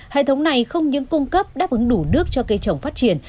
hệ thống này không những cung cấp đáp ứng đủ nước cho cây trồng phát triển